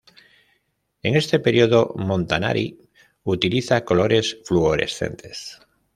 En este periodo Montanari utiliza colores fluorescentes.